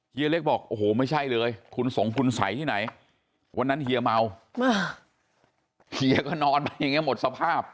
เล็กบอกโอ้โหไม่ใช่เลยคุณสงคุณสัยที่ไหนวันนั้นเฮียเมาเฮียก็นอนไปอย่างนี้หมดสภาพ